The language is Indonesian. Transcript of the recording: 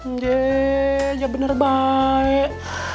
nggak gak bener baik